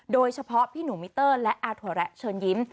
โดยเฉพาะพิหนุมิเติร์และอธวระเชิญยิ้ม